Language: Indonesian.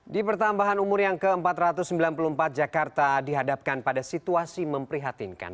di pertambahan umur yang ke empat ratus sembilan puluh empat jakarta dihadapkan pada situasi memprihatinkan